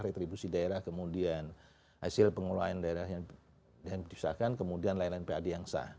retribusi daerah kemudian hasil pengelolaan daerah yang disahkan kemudian lain lain pad yang sah